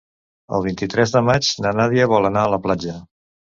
El vint-i-tres de maig na Nàdia vol anar a la platja.